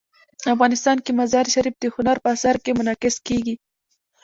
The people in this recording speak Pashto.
افغانستان کې مزارشریف د هنر په اثار کې منعکس کېږي.